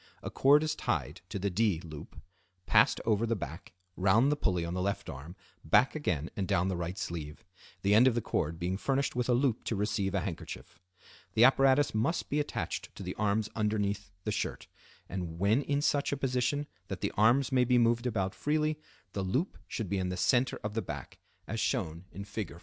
A cord is tied to the "D" loop, passed over the back, round the pulley on the left arm, back again and down the right sleeve; the end of the cord being furnished with a loop to receive a handkerchief. The apparatus must be attached to the arms underneath the shirt, and when in such a position that the arms may be moved about freely, the loop should be in the center of the back, as shown in Fig.